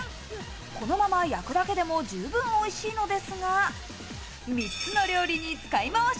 このまま焼くだけでも十分おいしいのですが、３つの料理に使いまわし。